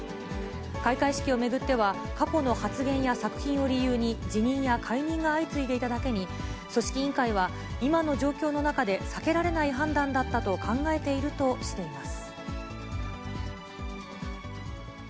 開会式を巡っては、過去の発言や作品を理由に、辞任や解任が相次いでいただけに、組織委員会は、今の状況の中で避けられない判断だったと考えているとしています。